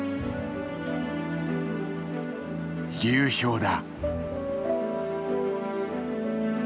流氷だ。